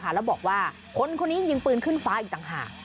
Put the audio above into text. แล้วบอกว่าคนคนนี้ยังยิงปืนขึ้นฟ้าอีกต่างหาก